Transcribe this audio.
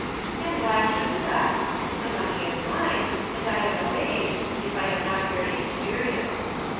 And why shouldn't I ? The money is mine, and I am of age if I am not very experienced.